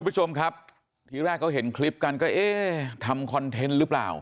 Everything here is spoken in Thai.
คุณผู้ชมครับทีแรกเขาเห็นคลิปกันก็เอ๊ะทำคอนเทนต์หรือเปล่า